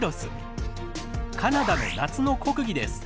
カナダの夏の国技です。